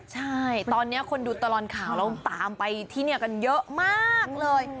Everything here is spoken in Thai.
ใช่ตอนนี้คนดูตลอดข่าวเราตามไปที่นี่กันเยอะมากเลย